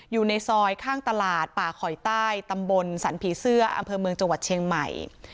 อยู่ในซอยข้างตลาดป่าคอยใต้ตำบลสรรผีเสื้ออำเภอเมืองจังหวัดเชียงใหม่